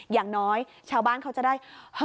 อย่างน้อยชาวบ้านเขาจะได้